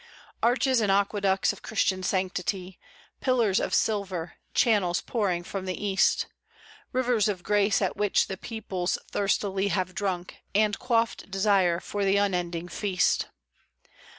Arches and aqueducts of Christian sanctity, Pillars of silver, channels pouring from the East Rivers of grace at which the peoples thirstily Have drunk, and quaffed desire for the unending Feast.